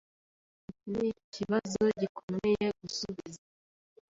Iki nikibazo gikomeye gusubiza.